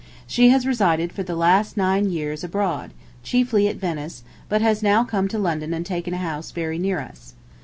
She has resided for the last nine years abroad, chiefly at Venice, but has now come to London and taken a house very near us.